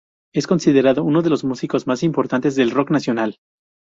Es considerado uno de los músicos más importantes del rock nacional.